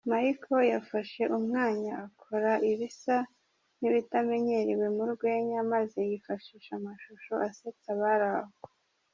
Michael yafashe umwanya akora ibisa n’ibitamenyerwe murwenya maze yifashisha amashusho asetsa abari aho.